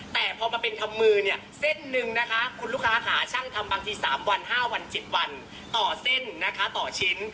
แต่พอมาเป็นทำมือเนี่ยเส้นหนึ่งนะคะคุณลูกค้าหาช่างทำบางที๓วัน๕วัน๗วันต่อเส้นนะคะต่อชิ้น